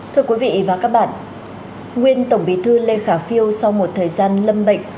thưa quý vị và các bạn nguyên tổng bí thư lê khả phiêu sau một thời gian lâm bệnh